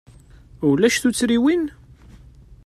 Ulac tuttriwin?